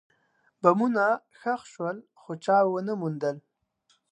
بمونه ښخ شول، خو چا ونه موندل.